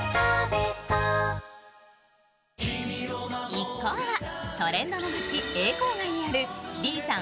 一行はトレンドの街・永康街にある李さん